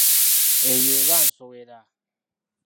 Eyo eba nsowera.